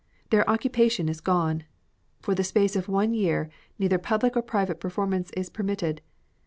Their occupation is gone. For the space of one year neither public or private performance is permitted.